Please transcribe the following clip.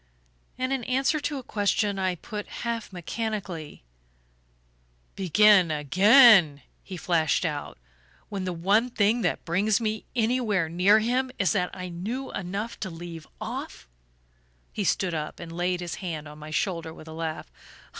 And, in answer to a question I put half mechanically "Begin again?" he flashed out. "When the one thing that brings me anywhere near him is that I knew enough to leave off?" He stood up and laid his hand on my shoulder with a laugh.